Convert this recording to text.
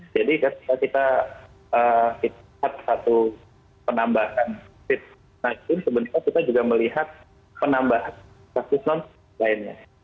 jadi ketika kita lihat satu penambahan covid sembilan belas sebenarnya kita juga melihat penambahan kasus non lainnya